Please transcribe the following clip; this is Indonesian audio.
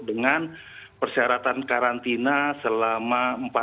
dengan persyaratan karantina selama